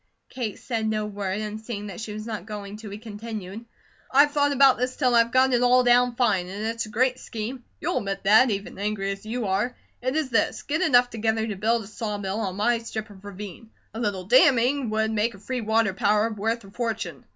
Kate said no word, and seeing she was not going to, he continued: "I've thought about this till I've got it all down fine, and it's a great scheme; you'll admit that, even angry as you are. It is this: get enough together to build a saw mill on my strip of ravine. A little damming would make a free water power worth a fortune.